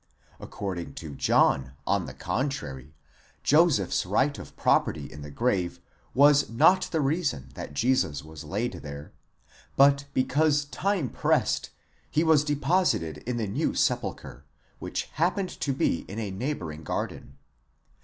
According to John, on the contrary, Joseph's right of property in the grave was not the reason that Jesus was laid there; but because time pressed, he was deposited in the new sepulchre, which happened to be in a neighbouring garden.